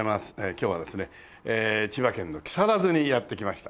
今日はですね千葉県の木更津にやって来ました。